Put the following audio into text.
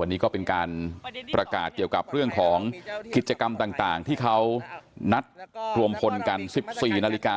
วันนี้ก็เป็นการประกาศเกี่ยวกับเรื่องของกิจกรรมต่างที่เขานัดรวมพลกัน๑๔นาฬิกา